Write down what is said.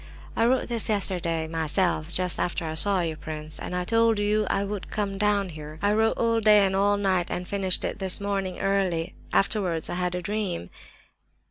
"I wrote this yesterday, myself, just after I saw you, prince, and told you I would come down here. I wrote all day and all night, and finished it this morning early. Afterwards I had a dream."